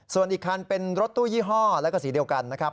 ส่วนอีกคันเป็นรถตู้ยี่ห้อแล้วก็สีเดียวกันนะครับ